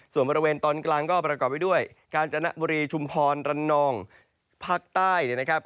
ส่วนบริเวณตอนกลางก็ประกอบไปด้วยกาญจนบุรีชุมพรรันนองภาคใต้เนี่ยนะครับ